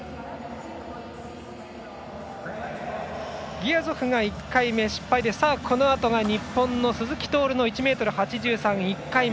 ギヤゾフが１回目、失敗でこのあとが日本の鈴木徹の１ｍ８３の１回目。